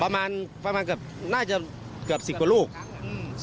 ประมาณประมาณเกือบน่าจะเกือบสิบกว่าลูกอืม